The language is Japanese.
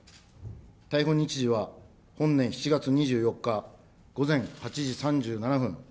逮捕日時は本年７月２４日午前８時３７分。